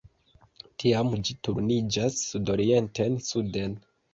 Tiam ĝi turniĝas sudorienten-suden.